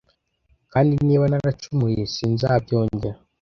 kandi niba naracumuye, sinzabyongera'